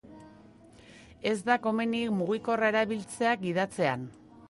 Ez da komeni mugikorra erabiltzea gidatzean